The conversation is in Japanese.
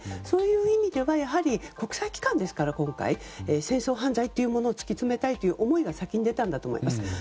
そういう意味では今回のは国際機関ですから戦争犯罪を突き詰めたいという思いが先に出たんだと思います。